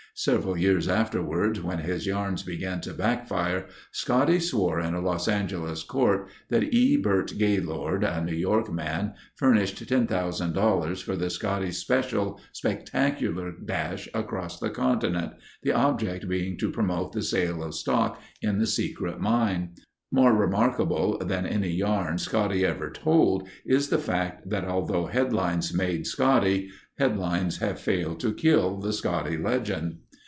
Several years afterward when his yarns began to backfire, Scotty swore in a Los Angeles court that E. Burt Gaylord, a New York man, furnished $10,000 for the Scotty Special's spectacular dash across the continent—the object being to promote the sale of stock in the "secret mine." More remarkable than any yarn Scotty ever told is the fact that although headlines made Scotty, headlines have failed to kill the Scotty legend.